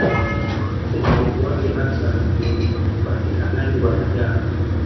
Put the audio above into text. Umaarufu wake hasa ni upatikanaji wa dagaa